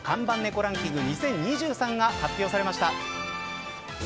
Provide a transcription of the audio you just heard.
ランキング２０２３が発表されました。